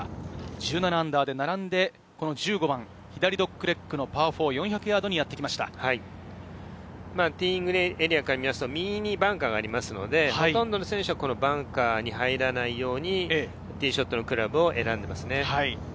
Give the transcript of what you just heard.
−１７で並んで１５番、左ドッグレッグのパー４、４００ヤードにティーイングエリアから見ると、右にバンカーがありますので、ほとんどの選手はこのバンカーに入らないようにティーショットのクラブを選んでいますね。